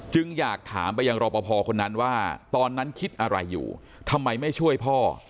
อยากถามไปยังรอปภคนนั้นว่าตอนนั้นคิดอะไรอยู่ทำไมไม่ช่วยพ่อ